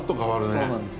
そうなんです。